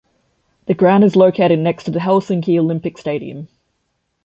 The ground is located next to the Helsinki Olympic Stadium.